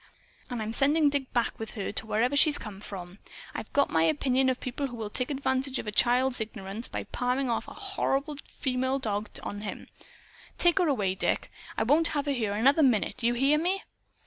And I'm sending Dick back with her, to where she came from. I've got my opinion of people who will take advantage of a child's ignorance, by palming off a horrid female dog on him, too. Take her away, Dick. I won't have her here another minute. You hear me?"